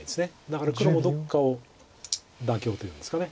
だから黒もどっかを妥協というんですか。